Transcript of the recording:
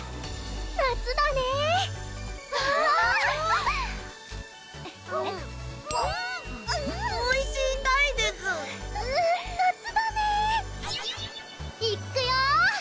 夏だねぇおいしいたいですうん夏だねぇいっくよ！